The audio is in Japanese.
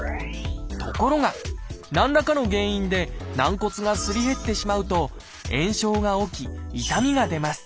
ところが何らかの原因で軟骨がすり減ってしまうと炎症が起き痛みが出ます。